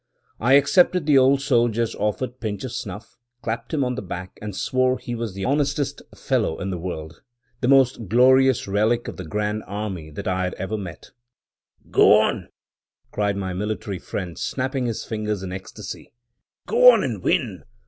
I accepted the old soldier's offered pinch of snuff; clapped him on the back, and swore he was the honestest fellow in the world — the most glorious relic of the Grand Army that I had ever met with. "Go on!" cried my military friend, snapping his fingers in ecstasy —"Go on, and win!